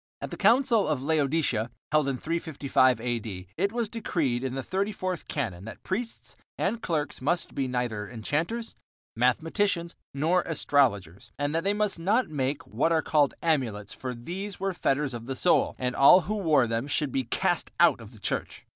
At the Council of Laodicea, held in 355 A.D., it was decreed, in the thirty fourth canon, that priests and clerks must be neither enchanters, mathematicians, nor astrologers, and that they must not make "what are called amulets," for these were fetters of the soul, and all who wore them should be cast out of the church.